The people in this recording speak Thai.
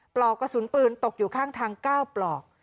ปลอกกระสุนปืนตกอยู่ข้างทาง๙ปลอก